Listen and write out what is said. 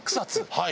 はい。